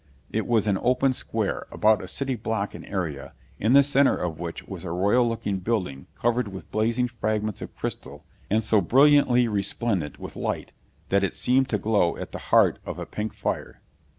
It was an open square, about a city block in area, in the center of which was a royal looking building covered with blazing fragments of crystal and so brilliantly resplendent with light that it seemed to glow at the heart of a pink fire.